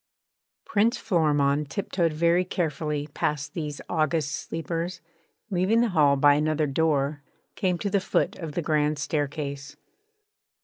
Prince Florimond tiptoed very carefully past these august sleepers and, leaving the hall by another door, came to the foot of the grand staircase.